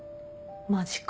マジか。